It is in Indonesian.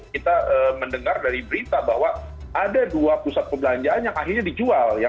kita mendengar dari berita bahwa ada dua pusat perbelanjaan yang akhirnya dijual ya